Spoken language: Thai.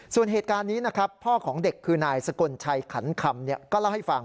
ส่วนเหตุการณ์นี้นะครับพ่อของเด็กคือนายสกลชัยขันคำก็เล่าให้ฟัง